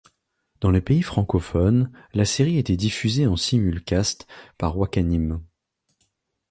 Dans les pays francophones, la série a été diffusée en simulcast par Wakanim.